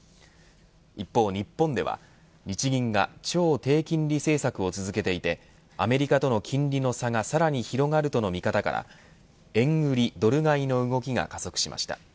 一方日本では日銀が超低金利政策を続けていてアメリカとの金利の差がさらに広がるとの見方から円売りドル買いの動きが加速しました。